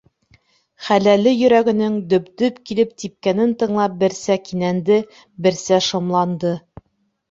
Хәләле йөрәгенең дөп-дөп килеп типкәнен тыңлап берсә кинәнде, берсә шомланды.